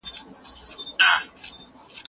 خو افغانانو د هغوی پلانونه شنډ کړل.